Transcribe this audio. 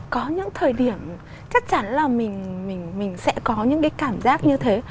có những thời điểm chắc chắn là mình sẽ có những cái cảm giác như thế